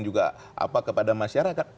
juga apa kepada masyarakat